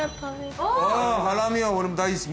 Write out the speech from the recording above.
ハラミは俺も大好き